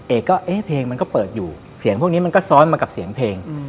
เอกก็เอ๊ะเพลงมันก็เปิดอยู่เสียงพวกนี้มันก็ซ้อนมากับเสียงเพลง